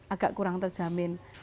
agak kurang terjamin